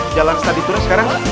jalan studi turun sekarang